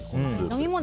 飲み物